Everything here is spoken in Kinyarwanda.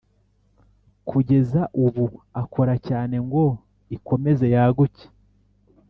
kugeza ubu akora cyane ngo ikomeze yaguke.